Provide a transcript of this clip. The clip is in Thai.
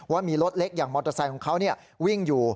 ว่ามีรถเล็กอย่างมอเตอร์ไซค์ของเขาวิ่งอยู่